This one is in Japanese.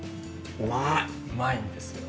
うまいんですよ。